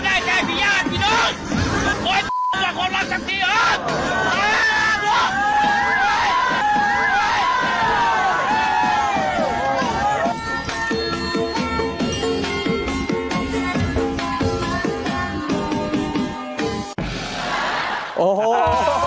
โอ้ยมันเป็นคนรักทั้งทีหรอ